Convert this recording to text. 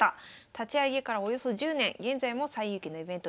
立ち上げからおよそ１０年現在も西遊棋のイベント